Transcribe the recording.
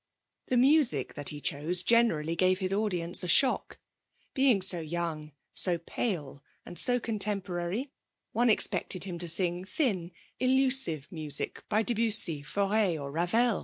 The music that he chose generally gave his audience a shock. Being so young, so pale, and so contemporary, one expected him to sing thin, elusive music by Debussy, Fauré, or Ravel.